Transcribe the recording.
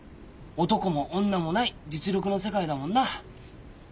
男も女もない実力の世界だもんな。